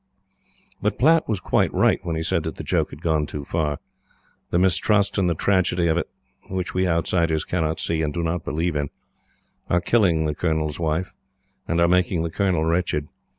But Platte was quite right when he said that the joke had gone too far. The mistrust and the tragedy of it which we outsiders cannot see and do not believe in are killing the Colonel's Wife, and are making the Colonel wretched.